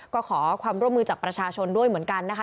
ก็ขอความร่วมมือจากประชาชนด้วยเหมือนกันนะคะ